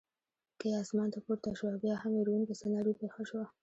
کې اسمان ته پورته شوه، بیا هم وېروونکې سناریو پېښه شوه.